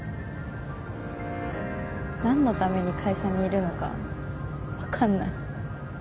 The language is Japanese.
何のために会社にいるのか分かんない